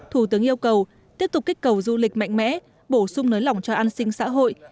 thủ tướng yêu cầu tiếp tục kích cầu du lịch mạnh mẽ bổ sung nới lỏng cho an sinh xã hội